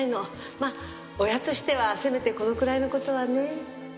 まあ親としてはせめてこのくらいの事はね。